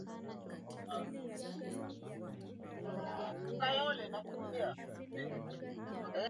viazi lishe pia hukaushwa na kuwa vichembe